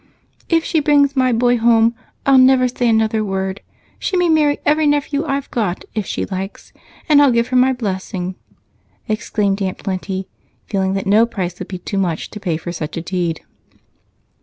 "If she brings my boy home, I'll never say another word. She may marry every nephew I've got, if she likes, and I'll give her my blessing," exclaimed Aunt Plenty, feeling that no price would be too much to pay for such a deed.